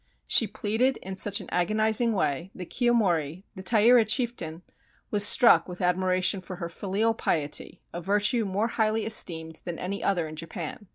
She pleaded in such an agonizing way that Kiyomori, the Tairi chieftain, was struck with admiration for her filial piety, a virtue more highly esteemed than any other in Japan.